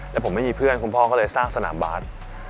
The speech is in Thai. แล้วผมไม่มีเพื่อนคุณพ่อก็เลยสร้างสนามบาส